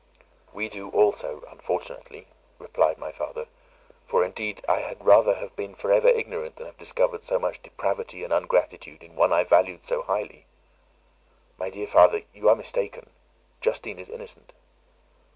"We do also, unfortunately," replied my father, "for indeed I had rather have been for ever ignorant than have discovered so much depravity and ungratitude in one I valued so highly." "My dear father, you are mistaken; Justine is innocent."